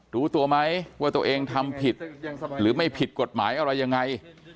รู้ตัวไหมว่าตัวเองทำผิดหรือไม่ผิดกฎหมายอะไรยังไง